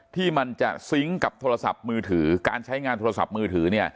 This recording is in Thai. ที่มันจะซิงค์กับโทรศัพท์มือถือการใช้งานโทรศัพท์มือถือ